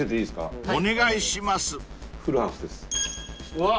うわ！